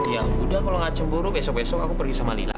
ya udah kalau gak cemburu besok besok aku pergi sama lila